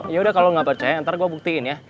yaudah kalo lo gak percaya ntar gue buktiin ya